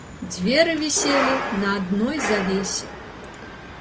Дзверы віселі на адной завесе.